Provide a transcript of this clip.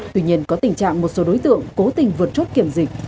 tuy nhiên có tình trạng một số đối tượng cố tình vượt chốt kiểm dịch